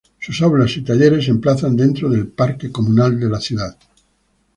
Sus aulas y talleres se emplazan dentro del parque comunal de la ciudad.